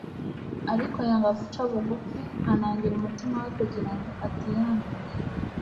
Ariko yanga guca bugufi. Anangira umutima we kugira ngo atihana